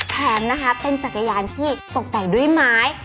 แถมนะคะเป็นจักรยานที่ตกแต่งด้วยไม้